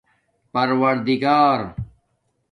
پَروردگار